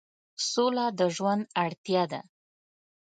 سوله د ژوند اړتیا ده.